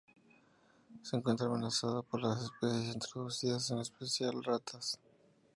Se encuentra amenazada por las especies introducidas, en especial ratas.